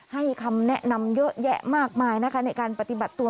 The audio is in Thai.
คำแนะนำเยอะแยะมากมายนะคะในการปฏิบัติตัว